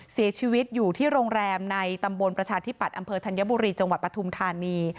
เสียชีวิตอยู่ที่โรงแรมในตำบลประชาธิปัตย์อำเภอธัญบุรีจังหวัดปฐุมธานี